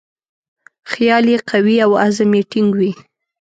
خیال یې قوي او عزم یې ټینګ وي.